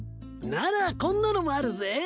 ならこんなのもあるぜ。